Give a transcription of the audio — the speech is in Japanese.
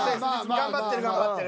頑張ってる頑張ってる。